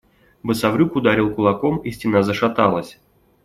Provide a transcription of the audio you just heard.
Басаврюк ударил кулаком, и стена зашаталась.